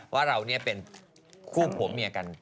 ว่าเราเป็นคู่ผัวเมียกัน